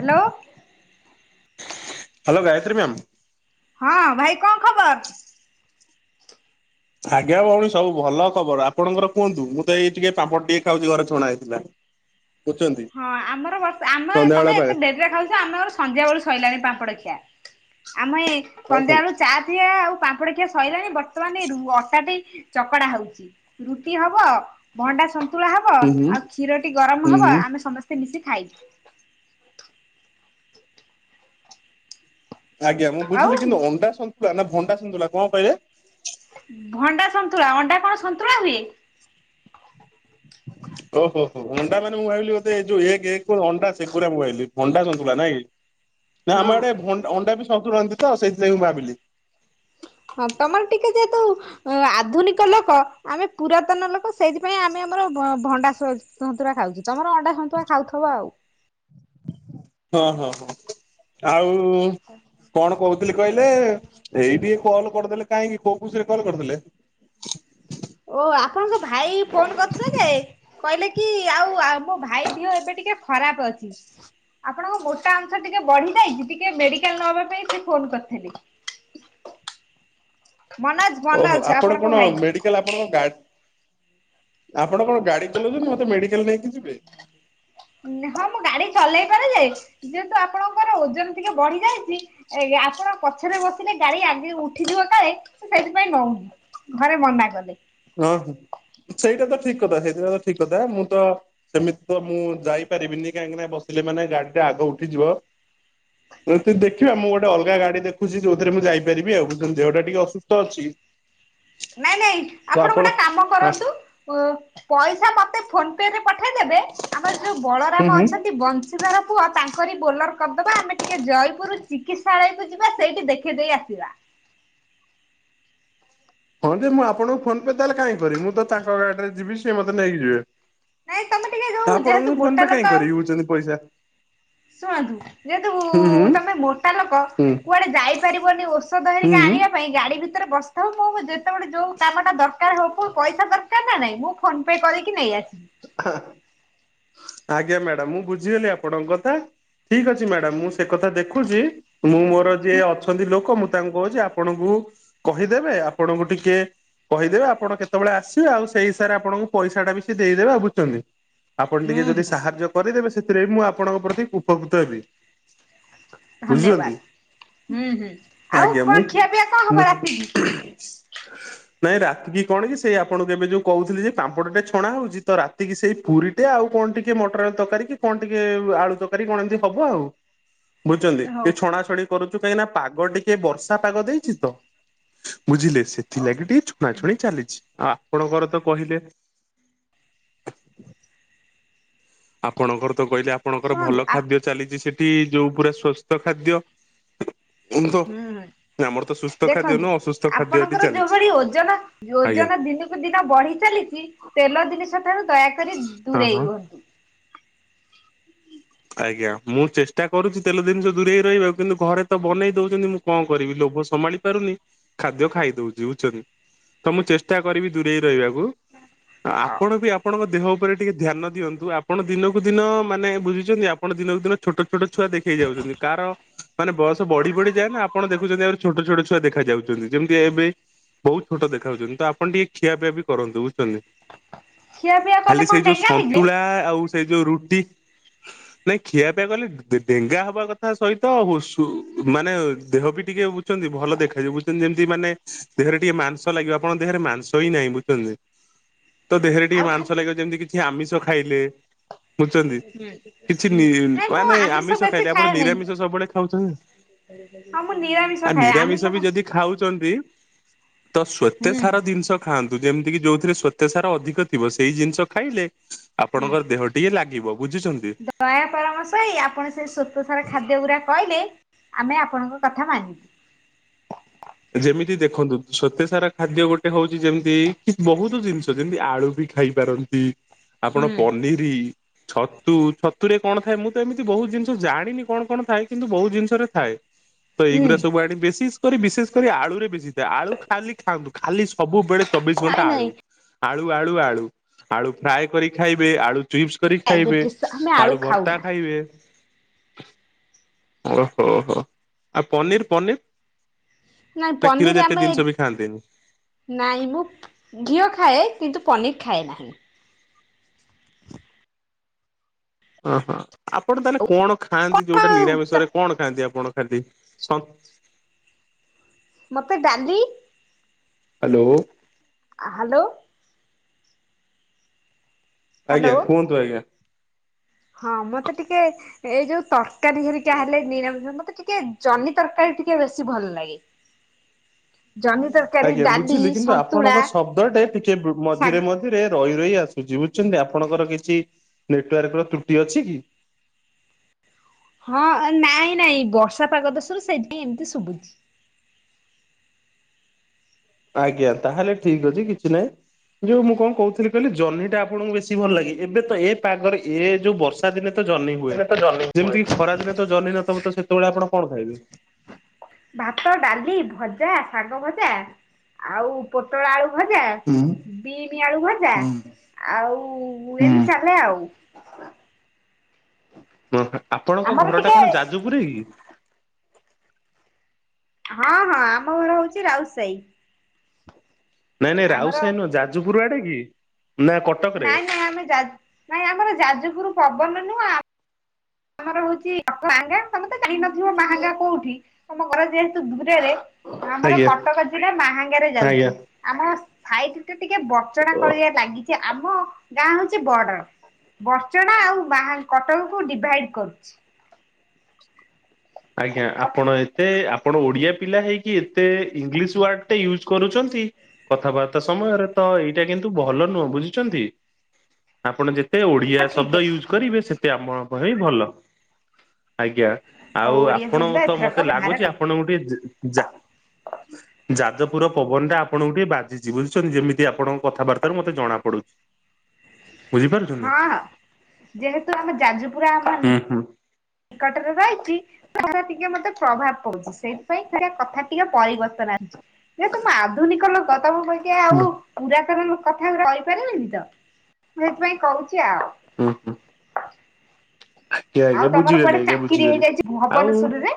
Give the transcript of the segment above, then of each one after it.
Hello. Hello Gayatri ma'am. ହଁ ଭାଇ କଁ ଖବର। ଆଜ୍ଞା ଭଉଣୀ ସବୁ ଭଲ ଖବର ଆପଣଙ୍କର କୁହନ୍ତୁ ମୁଁ ତ ଏଇ ଟିକେ ପାମ୍ପଡ଼ ଟିକେ ଖାଉଛି ଘରେ ଛଣା ହେଇଥିଲା। [inaudible] ବୁଝୁଛନ୍ତି ହଁ ଆମର ବର୍ଷ ଆମ ସନ୍ଧ୍ୟାବେଳ ତମେ ପାଗ ଏତେ ଡେରିରେ ଖାଉଛ ଆମର ସନ୍ଧ୍ୟା ବେଳୁ ସଇିଲାଣି ପାମ୍ପଡ଼ ଖିଆ। ଆମେ ଏ ହଉ ହୁଁ ସନ୍ଧ୍ୟା ବେଳୁ ଚା। ପିଆ ଆଉ ପାମ୍ପଡ ଖିଆ ସଇଲାଣି ବର୍ତ୍ତମାନେ ଏ ରୁ ଅଟା ଟି ଚକଡା ହଉଛି। ରୁଟି ହବ? ଭଣ୍ଡା ସନ୍ତୁଳା ହବ ହୁଁ ଆଉ ହୁଁ କ୍ଷୀର ଟି ଗରମ ହବ ହୁଁ। ଆମେ ସମସ୍ତେ ମିଶି ଖାଇବୁ। ଆଜ୍ଞା ମୁଁ ଆଉ ବୁଝିଲି କିନ୍ତୁ ଅଣ୍ଡା ସନ୍ତୁଳା ନା ଭଣ୍ଡା ସନ୍ତୁଳା କଣ କହିଲେ? ଭଣ୍ଡା ସନ୍ତୁଳା ଅଣ୍ଡା କଣ ସନ୍ତୁଳା ହୁଏ। [inaudible] ଓହୋ ହୋ ଅଣ୍ଡା ମାନେ ମୁଁ ଭାବିଲି ବୋଧେ ଯୋଉ ଏକ ଅଣ୍ଡା ସେଗା ମୁଁ ଭାବିଲି ଭଣ୍ଡା ଶନୁଳା ନାଇଁ କି? [inaudible] ନା ଆମର ଆଡେ ଅଣ୍ଡା ବି ସନ୍ତୁଳନି ତ ସେଇଥିଲାଗି ମୁଁ ଭାବିଲି। ହଁ ତମର ଟିକେ ଯେହେତୁ ଅ ଆଧୁନିକ ଲୋକ ଆମେ ପୁରାତନ ଲୋକ ସେଇଥିପାଇଁ ଆମେ ଆମର ଭଣ୍ଡା ସନ୍ତୁଳା ଖାଉଛୁ। ତମର ଅଣ୍ଡା ସନ୍ତୁଳା ଖାଉଥିବ ଆଉ? ହଁ ହଁ ହଁ ଆଉ କଣ କହୁଥିଲି କହିଲେ ଏଇ ଟିକେ କଲ କରିଦେଲେ? କାହିଁକି କୋଉ ଖୁସିରେ କଲ କରୁଥିଲେ। ଓ ଆପଣଙ୍କ ଭାଇ ଫୋନ କରିଥିଲେ ଯେ କହିଲେ କି ଆଉ? ମୋ ଭାଇ ଦିଅ ଏବେ ଟିକେ ଖରାପ ଅଛି। ଆପଣଙ୍କ ମୋଟା ଆଂଶ ଟିକେ ବଢି ଯାଇଛି ଟିକେ ମେଡିକାଲ ନହବା ପାଇଁ ସେ ଫୋନ କରିଥିଲି। ମନୋଜ ଓହୋ ମନୋଜ ଆପଣ ଆପଣଙ୍କ କଣ ଭାଇ। ମେଡି ଆପଣଙ୍କ ଗ ଆପଣ କଣ ଗାଡି ଚଲଉଛନ୍ତି ମତେ ମେଡିକାଲ ନେଇକି ଯିବେ? ହଁ ମୁଁ ଗାଡି ଚଲେଇ ପାରେ ଯେ ଯେହେତୁ ଆପଣଙ୍କର ଓଜନ ଟିକେ ବଢି ଯାଇଛି। ଏ ଆପଣ ପଛରେ ବସିଲେ ଗାଡି ଆଜି ଉଠିଯିବ କାଳେ ସେଥିପାଇଁ ନ ଘରେ ମନା କଲେ। ହଁ ହୋ ସେଇଟା ତ ଠିକ କଥା ସେଇଟା ତ ଠିକ କଥା ମୁଁ ତ ସେମିତି ତ ମୁଁ ଯାଇପାରିବିନି କାହିଁକି ନାନା ବସିଲେ ମାନେ ଗାଡି ଟା ଆଗ ଉଠିଯିବ। [inaudible] ଦେଖିବା ମୁଁ ଗୋଟେ ଅଲଗା ଗାଡି ଦେଖୁଛି ଯୋଉରେ ମୁଁ ଯାଇପାରିବି ଆଉ ଦେହ ଟା ଟିକେ ଅସୁସ୍ଥ ଅଛି। [inaudible] ହଉ ଆପଣ ହ ଓ ପଇସା ମତେ ଫୋନ ପେରେ ପଠେଇଦେବେ ଆମର ଯୋଉ ହୁଁ ବଳରାମ ହୁଁ। ଅଛନ୍ତି ବଂଶ ର ପୁଅ ତାଙ୍କରି ବୋଲର କରିଦବା ଆମେ ଟିକେ ଜୟପୁର ଚିକିତ୍ସାଳୟକୁ ଯିବା ସେଇଠି ଦେଖିଦେଇ ଆସିବା। ହଁ ଯେ ମୁଁ ଆପଣଙ୍କୁ ଫୋନ ପେ ତାହଲେ କାଇଁ ମୁଁ ତ ତାଙ୍କ ଗାଡିରେ ଯିବି ସିଏ ମତେ ନେଇକି ଯିବେ। ନାଇଁ ତମେ ଟିକେ ଯୋଉ ଆପଣଙ୍କୁ ଯେହେତୁ ଫୋନ ପେ ମୋଟା କାଇହିଁ ଲୋକ ଆଉ କରିବି ହଉଛନ୍ତି ପଇସା? ଶୁଣନ୍ତୁ ଯେହେତୁ ହୁଁ ହୁଁ ତମେ ମୋଟା ଲୋକ ହୁଁ କୁଆଡେ ଯାଇପାରିବନି ଔଷଧ ଧରିକି ହୁଁ। ଆଣିବା ପାଇଁ ଗାଡିବି [unintelligible] ଯେତେବେଳେ ଯୋଉ କାମଟା ଦରକାର ହବ ପଇସା ଦରକାର ହଁ ନା ନାଇଁ? ମୁଁ ଫୋନ-ପେ କରିକି ନେଇ ଆସିବି। ହଁ। ଆଜ୍ଞା ମାଡାମ। ମୁଁ ବୁଝିଗଲି ଆପଣଙ୍କ କଥା। ଠିକ ଅଛି ମ୍ୟାଡାମ। ମୁଁ ସେ କଥା ଦେଖୁଛି ମୁଁ ମୋର ଯିଏ ହୁଁ ଅଛନ୍ତି ଲୋକ ମୁଁ ତାଙ୍କୁ କହୁଛି ଆପଣଙ୍କୁ କହିଦେବେ ଆପଣଙ୍କୁ ଟିକେ କହିଦେବେ ଆପଣ କେତେବେଳେ ଆସିବେ ଆଉ ସେଇ ହିସାବରେ ଆପଣଙ୍କୁ ପଇସାଟା ବି ସେ ଦେଇଦେବେ ଆଉ ବୁଝୁଛନ୍ତି? ଆପଣ ଟିକେ ହୁଁ ଯଦି ହୁଁ। ସାହାଯ୍ୟ କରିଦେବେ ସେଥିରେ ବି ମୁଁ ଆପଣଙ୍କ ପ୍ରତି ଉପକୃତ ହେବି। ଧନ୍ୟବାଦ। ବୁଝୁଛନ୍ତି। ହୁଁ ହୁଁ ଆଉ ଆଜ୍ଞା କଣ ମୁଁ ଖିଆପିଆ କଣ ହବ ମୁଁ ରାତିକି ନାଇଁ ରାତିକି କଣ କି ସେଇ ଆପଣ କେବେ ଯୋଉ କହୁଥିଲେ ଯେ ପାମ୍ପଡ଼ଟେ ଛଣା ହଉଛି ତ ରାତିକି ସେଇ ପୁରୀଟେ ଆଉ କଣ ଟେ ଟିକେ ମଟର ତରକାରୀ କି କଣ ଟିକେ ଆଳୁ ତରକାରୀ କଣ ଏମିତି ହବ ଆଉ? ବୁଝୁଛନ୍ତି ହଉ। କି ଛଣା ଛଣି କରୁଛୁ କାହିଁକି ନା ପାଗ ଟିକେ ବର୍ଷା ପାଗ ଦେଇଛି ତ ବୁଝିଲେ ସେ ହଉ ଥିଲା କିି ଟିକେ ଛୁଣା ହୁଁ ଛୁଣି ଚାଲିଛି ଆଉ ଆପଣଙ୍କର ତ କହିଲେ ଆପଣଙ୍କର ତ କହିଲେ, ଆପଣଙ୍କର ଶୁଣନ୍ତୁ ଭଲ ଆ ଖାଦ୍ୟ ଚାଲିଛି ସେଠି, ଯୋଉ ପୁରା ସ୍ଵସ୍ଥ ଖାଦ୍ୟ। ତ ହୁଁ, ଆମର ତ ସୁସ୍ଥ ଖାଦ୍ୟ ଦେଖନ୍ତୁ! ନୁହଁ ଅସୁସ୍ଥ ଖାଦ୍ୟ ଏଠି ଆପଣଙ୍କର ଚାଲିଛି ଯୋଉଭଳି ଓଜନ ଆଜ୍ଞା ଓଜନ ଦିନୁ କୁ ଦିନ ବଢି ଚାଲିଛି, ତେଲ ଜିନିଷ ଠାରୁ ଦୟାକରି ହଁ ଦୂରେଇ ହଁ ରୁହନ୍ତୁ। ଆଜ୍ଞା। ମୁଁ ଚେଷ୍ଟା କରୁଛି, ତେଲ ଦିନିଷ ଦୂରେଇ ରହିବାକୁ, କିନ୍ତୁ ଘରେ ତ ବନେଇ ଦଉଛନ୍ତି। ମୁଁ କଣ କରିବି? ଲୋଭ ସମାଳି ପାରୁନି, ଖାଦ୍ୟ ଖାଇ ଦଉଛି। ବୁଝୁଛନ୍ତି! ତ, ମୁଁ ଚେଷ୍ଟା କରିବି ଦୂରେଇ ରହିବାକୁ। ହଉ ଆପଣ ବି ଆପଣଙ୍କ ଦେହ ଉପରେ ଟିକେ ଧ୍ୟାନ ଦିଅନ୍ତୁ। ଆପଣ ଦିନକୁ ଦିନ ମାନେ ବୁଝୁ ଛନ୍ତି, ଆପଣ ଦିନକୁ ଦିନ ଛୋଟ ଛୋଟ ଛୁଆ ଦେଖେଇ ଯାଉଛନ୍ତି। କାର ମାନେ ବୟସ ବଢି ବଢିଯାଏ ନା, ଆପଣ ଦେଖୁଛନ୍ତି, ଆହୁରି ଛୋଟ ଛୋଟ ଛୁଆ ଦେଖାଯାଉଛନ୍ତି। ଯେମିତି ଏବେ ବହୁତ ଛୋଟ ଦେଖାହାଉଛନ୍ତି। ତ ଆପଣ ଟିକେ ଖିଆପିଆ ବି କରନ୍ତୁ। ବୁଝୁଛନ୍ତି! ଖିଆ ପିଆ କଲେ ଖାଲି କଣ ସେଇ ଯୋଉ ଡେଙ୍ଗା ହେଇଯିବେ? ସନ୍ତୁଳା, ଆଉ ସେଇ ଯୋଉ ରୁଟି ନାଇଁ, ଖିଆପିଆ କଲେ ଡେ-ଡେଙ୍ଗା ହବା କଥା ସହିତ, ହୁ ସୁ-ମାନେ ଦେହ ବି ଟିକେ ବୁଝଛନ୍ତି, ଭଲ ଦେଖାଯାଉିବ ବୁଝୁଛନ୍ତି, ଯେମିତି ମାନେ ଦେହରେ ଟିକେ ମାଂସ ଲାଗିବ। ଆପଣଙ୍କ ଦେହରେ ମାଂସ ହିଁ ନାହିଁ। ବୁଝୁଛନ୍ତି! ତ ଦେହରେ ଟିକେ ଆଉ ଖା ମାଂସ ଲାଗିବ, ଯେମିତି କିଛି ଆମିଷ ଖାଇଲେ ବୁଝଛନ୍ତି? ନାଇଁ, ମୁଁ ଆମିଷ ବେଶୀ ଖାଇଲେ ଆପଣ ଖାଏନି। ନିରାମିଷ ସବୁବେଳେ ଖାଉଛନ୍ତି। ହଁ, ମୁଁ ନିରାମିଷ ଆଉ ଖାଏ। ନିରାମିଷ ଆମିଷ ବି ଖା ଯଦି ଖାଉଛନ୍ତି, ତ ହୁଁ ଶ୍ୱେତେସାରା ଦିନିଷ ଖାଆନ୍ତୁ। ଯେମିତି କି ଯୋଉଥିରେ ଶ୍ୱେତସାର ଅଧିକ ଥିବ। ସେଇ ଜିନିଷ ଖାଇଲେ, ହୁଁ। ଆପଣଙ୍କର ଦେହ ଟିକେ ଲାଗିବ। ବୁଝୁଛନ୍ତି! ଦୟା ପରାମର୍ଶ ହୋଇ ଆପଣ ସେ ଶ୍ୱେତସାର ଖାଦ୍ୟ ଗୁରା କହିଲେ, ଆମେ ଆପଣଙ୍କ କଥା ମାନିବି। ଯେମିତି ଦେଖନ୍ତୁ, ଶ୍ୱେତସାର ଖାଦ୍ୟ ଗୋଟେ ହଉଛି, ଯେମିତି କି ବହୁତ ଜିନିଷ ଯେମିତି ଆଳୁ ବି ଖାଇପାରନ୍ତି। ଆପଣ ହୁଁ ପନିରୀ ଛତୁ, ଛତୁରେ କଣ ଥାଏ? ମୁଁ ତ ଏମିତି ବହୁତ ଜିନିଷ ଜାଣିନି କଣ କଣ ଥାଏ? କିନ୍ତୁ ବହୁତ ଜିନିଷରେ ଥାଏ। ତ ହୁଁ ଏଇଗୁରା ସବୁ ଆଣି ବେଶିଷ୍ କରି ବିଶେଷ କରି ଆଳୁରେ ବେଶୀ ଥାଏ। ଆଳୁ ଖାଲି ଖାଆନ୍ତୁ। ଖାଲି ସବୁବେଳେ ଚବିଶ ନାଇଁ ଘଣ୍ଟା ଆଳୁ! ନାଇଁ ଆଳୁ, ଆଳୁ, ଆଳୁ! ଆଳୁ ଫ୍ରାଏ୍ କରି ଖାଇବେ। ଆଳୁ ଚିପ୍ସ କରି ଖାଇବେ, ଡାଇବେଟିସ୍ ଆମେ ଆଳୁ ଭର୍ତ୍ତା ଖାଉନା ଖାଇବେ। ଓହୋ! ହୋ! ଆଉ, ପନିର୍ ପନିର୍? ନାଇଁ ନା, କ୍ଷୀର ପନିର ଜାତୀୟ ଆମେ ଦିନିଷ ବି ଖାଆନ୍ତିନି? ନାଇଁ ମୁଁ ଘିଅ ଖାଏ କିନ୍ତୁ ପନିର ଖାଏ ନା। ଓହୋ ଆପଣ ତାହେଲେ କଣ ଖାଆନ୍ତି ଯୋଉଟା ନିରାମିଷରେ କଣ ଖାଆନ୍ତି ଆପଣ ଖାନ୍ତି ସ ମତେ ଡାଲି ହାଲୋ। ଆ ହାଲୋ। ଆଜ୍ଞା ହାଲୋ କୁହନ୍ତୁ ଆଜ୍ଞା। ହଁ ମତେ ଟିକେ ଏ ଯୋଉ ତର୍କାରୀ ହେରିକା ହେଲେ ନିରାମିଷ ମତେ ଟିକେ ଯନ୍ନି ତର୍କାରୀ ଟିକେ ବେଶୀ ଭଲ ଲାଗେ। ଜହ୍ନି ତରକାରୀ ଆଜ୍ଞା ଡାଲି ବୁଝିଲି କିନ୍ତୁ ସନ୍ତୁଳା ଆପଣଙ୍କ ଶବ୍ଦଟେ ଟିକେ ଶାଗ ମଝିରେ ମ ରେ ରହି ରହି ଆସୁଛି। ବୁଝୁଛନ୍ତି? ଆପଣଙ୍କର କିଛି ନେଟୱାର୍କର ତ୍ରୁଟି ଅଛି କି? ହଁ, ନାଇଁ ନାଇଁ। ବର୍ଷା ପାଗ ଦିଶୁରୁ, ସେଇଥିପାଇଁ ଏମିତି ଶୁଭୁଛି। ଆଜ୍ଞା, ତାହେଲେ ଠିକ୍ ଅଛି। କିଛି ନାହିଁ। ଯୋଉ ମୁଁ କଣ କହୁଥିଲି କହିଲି, ଜହ୍ନିଟା ଆପଣଙ୍କୁ ବେଶୀ ଭଲ ଲାଗେ। ଏବେ ତ ଏ ପାଗରେ, ଏ ଯୋଉ ବର୍ଷା ଦିନେ ତ ଜହ୍ନି ହୁଏ। ହେଲେ ତ ଜହ୍ନି ହୁଏ। ଯେମିତି କି ଖରା ଦିନ ତ ଜହ୍ନି ନଥିବ, ତ ସେତେବେଳେ ଆପଣ କଣ ଖାଇବେ? ଭାତ, ଡାଲି, ଭଜା, ଶାଗ ଭଜା, ଆଉ, ପୋଟଳ ଆଳୁ ଭଜା ବିମି ଆଳୁ ଭଜା ଆଉ, ଏମି ଚାଲେ ଆଉ। ହଁ ହଁ। ଆପଣଙ୍କ ଆମର ଘରଟା ଟିକେ କଣ ଯାଜପୁରେ କି? ହଁ, ହଁ, ଆମ ଘର ହଉଛି ରାଉସାହି। ନାଇଁ, ନାଇଁ, ରାଉ ଆମର ସାହି ନୁହଁ, ଯାଜପୁରୁ ଆଡେ କି? ନା କଟକରେ ନାଇଁ, ନାଇଁ, ଆମେ ଯାଜ୍-ନାଇଁ ଆମର ଯାଜପୁର ପବନ ନୁଅଁ ଆମର ହଉଛି ମାହାଙ୍ଗା। ତମେ ତ ଜାଣିନଥିବ ମାହାଙ୍ଗା କୋଉଠି? ତମ ଘର ଯେହେତୁ ଦୂରରେ। ଆମର ଆଜ୍ଞା କଟକ ଜିଲ୍ଲା ମାହାଙ୍ଗାରେ ଯାଉଛି। ଆଜ୍ଞା ଆମର ସାଇଟ ଟା ଟିକେ ବଡର୍ଚଣା ଓ କରିଆ ଲାଗିଚି ଆମ ଗାଁ ହଉଛି ବଡରବଡଚଣା ଆଉ ମା କଟକକୁ ଡିଭାଇଡ କରୁଛି। ଆଜ୍ଞା ହଁ ଆପଣ ଏତେ ଆପଣ ଓଡ଼ିଆ ପିଲା ହେଇକି ଏତେ ଇଂଲିଶ ୱାର୍ଡଟା ୟୁଜ୍ କରୁଛନ୍ତି? କଥାବାର୍ତ୍ତା ସମୟରେ ତ ଏଇଟା କିନ୍ତୁ ଭଲ ନୁହଁ ବୁଝିଛନ୍ତି ଆପଣ ଯେତେ ସେ ଓଡ଼ିଆ ଠିକ ଶବ୍ଦ ଅଛି ୟୁଜ୍ କରିବେ ସେତେ ଆମ ପାଇଁ ଭଲ ଆଜ୍ଞା। ଆଉ ହଉ ଓଡିଆ ଶବ୍ଦ ଆପଣଙ୍କୁ ତ ଏଥରକ ମତେ ଲାଗୁଛି ଆପଣଙ୍କୁ ଟିକେ ଜ ଯା ଆ। ଯାଜପୁର ପବନ ଟା ଆପଣଙ୍କୁ ଟିକେ ବାଜିଛି ବୁଝୁଛନ୍ତି ଯେମିତି ଆପଣଙ୍କ କଥାବାର୍ତ୍ତାରୁ ମତେ ଜଣା ପଡୁଛି। ବୁଝିପାରୁଛନ୍ତି ହଁ ଯେହେତୁ ଆମେ ଯାଜପୁର ହୁଁ ଅଛନ୍ତି। ହୁଁ ନିକଟରେ ରହଚି କଥାଟା ଟିକେ ମୋତେ ପ୍ରଭାବ ପଡୁଛି, ସେଇଥିପାଇଁ ଟିକେ କଥା ଟିକେ ପରିବର୍ତ୍ତନ ଆଣିଛି। ଯେହେତୁ ମୁଁ ଆଧୁନିକ ଲୋକ ତମ ପରିକା ହୁଁ ଆଉ ପୁରାତନ କଥାଗୁରା କହିପାରିବିନି ତ ସେଥିପାଇଁ କହୁଛି ଆଉ। ହୁଁ ହୁଁ। ଆଜ୍ଞା ଆଉ ଆଜ୍ଞା ତମର ବୁଝିଗଲି କୁଆଡେ ଆଜ୍ଞା ଚାକିରି ବୁଝିଗଲି ହେଇଯାଇଛି ଆଉ ଭବନେଶ୍ଵରରେ?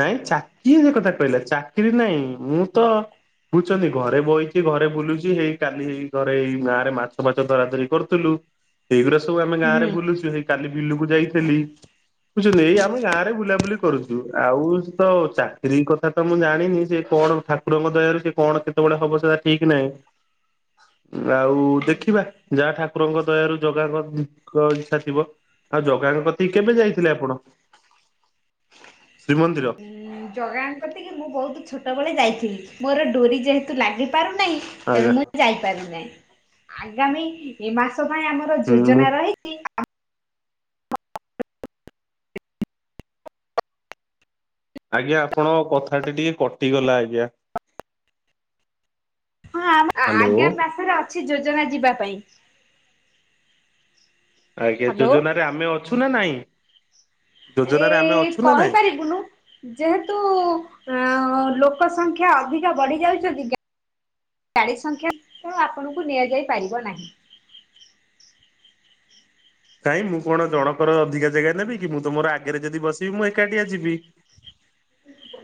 ନାଇଁ ଚାକିରି ସେ କଥା କହିଲା ଚାକିରି ନାଇଁ ମୁଁ ତ ବୁଝୁଛନ୍ତି ଘରେ ବଇଚି ଘରେ ବୁଲୁଚି ହେଇ କାଲି ହେଇ ଘରେ ଏଇ ଗାଁରେ ମାଛ ଫାଛ ଧରା ଧରି କରୁ ଥୁଲୁ ଏଇଗୁରା ସବୁ ଆମେ ହୁଁ। ଗାଁରେ ବୁଲୁଛୁ ହେଇ କାଲି ବିଲୁକୁ ଯାଇଥିଲି। ବୁଝୁଛନ୍ତି ଏଇ ହୁଁ ଆମେ ଗାଁରେ ବୁଲାବୁଲି କରୁଚୁ। ଆଉ ସେ ତ ଚାକିରୀ କଥା ତ ମୁଁ ଜାଣିନି ସେ କଣ ଠାକୁରଙ୍କ ଦୟାରୁ ସେ କଣ କେତେବେଳେ ହବ ସେ ଠିକ୍ ନାହିଁ। ଆଉ ହୁଁ। ଦେଖିବା ଯାହା ଠାକୁରଙ୍କ ଦୟାରୁ ଜଗାଙ୍କ ଙ୍କ ଇଚ୍ଛା ଥିବ ଆଉ ଜଗାଙ୍କ କତିକି କେବେ ଯାଇଥିଲେ ଆପଣ? ଶ୍ରୀମନ୍ଦିର। ଜଗାଙ୍କ କତିକି ମୁଁ ବହୁତ ଛୋଟବେଳେ ଯାଇଥିଲି ମୋର ଡୋରି ଯେହେତୁ ଲାଗିପାରୁନାହିଁ। ତେଣୁ ଆଜ୍ଞା ମୁଁ ଯାଇପାରୁ ନାହିଁ ଆଗାମୀ ଏ ମାସ ପାଇଁ ଆମର ହୁଁ ମୁଁ ଯୋଜନା ରହିଛି। ଆଜ୍ଞା ଆପଣଙ୍କ କଥା ଟା ଟିକେ କଟିଗଲା ଆଜ୍ଞା। ହଁ ଆ ଆଗାମୀ ମାସରେ ଅଛି ଯୋଜନା ଯିବା ପାଇଁ। ଆଜ୍ଞା, ହ୍ୟାଲୋ। ଯୋଜନାରେ ଆମେ ଅଛୁ ନା ନାଇଁ? ଏ ଯୋଜନାରେ ଆମେ ଅଛୁ ନା ନାଇଁ? କହିପାରିବୁନୁ। ଯେହେତୁ-ଉ-ଅ- ଅ ଲୋକ ସଂଖ୍ୟା ଅଧିକ ବଢି ଯାଉଛନ୍ତି। ଗାଁ ଗାଡ଼ି ସଂଖ୍ୟା [inaudible] ଆପଣଙ୍କୁ ନିଆଯାଇ ପାରିବ ନାହିଁ। କାଇଁ, ମୁଁ କଣ ଜଣକର ଅଧିକା ଜାଗା ନେବି କି? ମୁଁ ତମର ଆଗରେ ଯଦି ବସିବି, ମୁଁ ଏକାଟିଆ ଯିବି।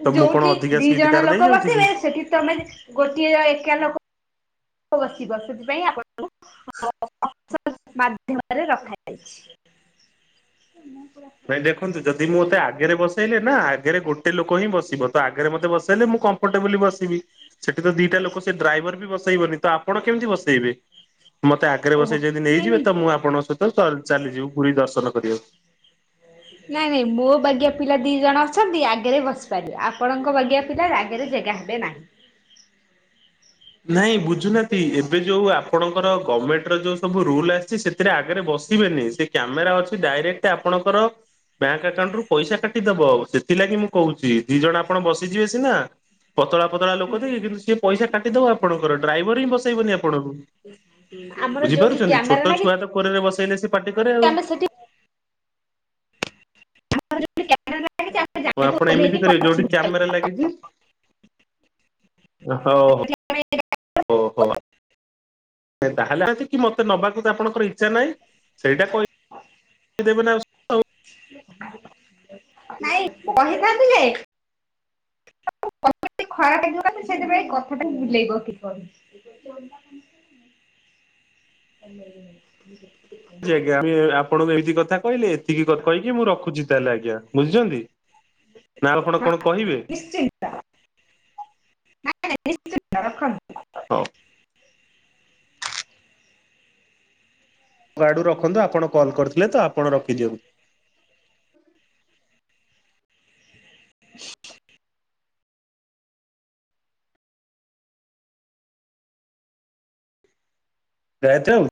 ତ ମୁଁ କଣ ଯୋଉଠି ଅଧିକା ଦି ସିଟ୍ ଜଣ କାର ଲୋକ ନେଇଯାଉଛି କି? ବସିବେ, ସେଠି ତମେ ଗୋଟିଏ ବା ଏକା ଲୋକ ବସିବ ସେଥିପାଇଁ ଆପଣଙ୍କୁ [unintelligible] [unintelligible] ମାଧ୍ୟମରେ ରଖାଯାଇଛି। ମୁଁ ପୁରା ନାଇଁ ଦେଖନ୍ତୁ ଯଦି ମୋତେ ଆଗରେ ବସେଇଲେ ନା ଆଗରେ ଗୋଟେ ଲୋକ ହିଁ ବସିବ ତ ଆଗରେ ମୋତେ ବସଇଲେ ମୁଁ କ ଏପଟେ ବୁଲି ବସିବି ସେଠି ତ ଦିଟା ଲୋକ ସେ ଡ୍ରାଇଭର ବି ବସେଇବନି ତ ଆପଣ କେମିତି ବସେଇବେ। ମୋତେ ଆଗରେ ଓହୋ ବସେଇ ଯଦି ନାଇଁ ନେଇଯିବେ ନାଇଁ ତ ମୁଁ ଆପଣଙ୍କ ସହିତ ଚ ଚାଲିଯିବି ପୁରୀ ଦର୍ଶନ କରିବାକୁ। [unintelligible] ନାଇଁ ନାଇଁ ମୋ ବାଗିଆ ପିଲା ଦି ଜଣ ଅଛନ୍ତି ଆଗରେ ବସିପାରିବେ ଆପଣଙ୍କ ବାଗିଆ ପିଲା ଆଗରେ ଜେଗା ହେବେ ନାହିଁ। ନାଇଁ ବୁଝୁନାହାନ୍ତି ଏବେ ଯୋଉ ଆପଣଙ୍କର ଗମେଣ୍ଟ ର ଯୋଉ ସବୁ ରୁଲ୍ ଆସିଛି ସେ ସେଥିରେ ଆଗରେ ବସିବେନି ସେ କ୍ୟାମେରା ଅଛି ଡାଇରେକ୍ଟ ଆପଣଙ୍କର ବ୍ୟାଙ୍କ ଆକାଉଣ୍ଟ ରୁ ପଇସା କାଟିଦବ ସେଥିଲାଗି ମୁଁ କହୁଛି ଦି ଜଣ ଆପଣ ବସିଯିବେ ସିନା। ପତଳା ପତଳା ଲୋକ ଯେ କିନ୍ତୁି ସିଏ ପଇସା କାଟିଦବ ଆପଣଙ୍କର ଡ୍ରାଇଭର ହିଁ ବସେଇବନି ଆପଣଙ୍କୁ। ଆମର ଯୋଉଠି ବୁଝିପାରୁଚନ୍ତି କ୍ୟାମେରା ଛୋଟ ଲାଗିଛି ଛୁଆ ତ କୋରରେ ବସେଇଲେ ସିଏ ପାଟି କରେ ଆଉ। ଆମେ ସେଠି [unintelligible] ହଁ ଆପଣ ଏମିତି ଓହ୍ଲେଇକି କରିବେ, ଯୋଉଠି ପଛକୁ କ୍ୟାମେରା ଲାଗିଛି? ହଉ ନାଇଁ ହଉ ହୋ ଆ। ତାହେଲେ କି ଯଦି ମତେ ନବାକୁ ତ ଆପଣଙ୍କର ଇଚ୍ଛା ନାହିଁ, ସେଇଟା କହିଦେବେ ନା ଆଉ। ନାଇଁ, କହିଥାନ୍ତି ଯେ [unintelligible] ଖରାପ ହେଇଯିବ କାଳେ ସିଏ ସେଇଥିପାଇଁ କଥାଟାକୁ ବୁଲେଇ ବଙ୍କେଇ କହୁଛି। ହୁଚି ଆଜ୍ଞା। ଆମେ ଆପଣଙ୍କୁ ଏମିତି କହିଲେ ଏତିକି କ-କହିକି ମୁଁ ରଖୁଛି ତାହେଲେ ଆଜ୍ଞା। ବୁଝୁଛନ୍ତି? ନା ଆଉ କଣ ହଁ କଣ କହିବେ? ହଉ [unintelligible] ଆପଣଙ୍କ ଆଡ଼ୁ ରଖନ୍ତୁ, ଆପଣ କଲ୍ କରିଥିଲେ ତ ଆପଣ ରଖିଦିଅନ୍ତୁ। ପ୍ରାୟତଃ ଆଉ